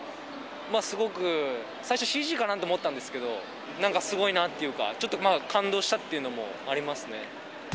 すごく最初、ＣＧかなと思ったんですけど、なんかすごいなっていうか、ちょっと感動したっていうのもありますね。